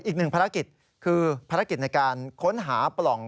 อีกหนึ่งภารกิจคือภารกิจในการค้นหาปล่อง